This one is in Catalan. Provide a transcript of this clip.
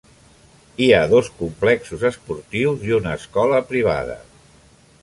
Hi ha dos complexos esportius i una escola privada.